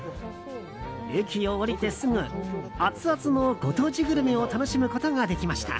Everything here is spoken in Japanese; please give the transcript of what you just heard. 駅を降りてすぐアツアツのご当地グルメを楽しむことができました。